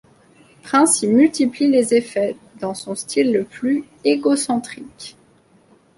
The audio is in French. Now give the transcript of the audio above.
Prince y multiplie les effets, dans son style le plus égocentrique.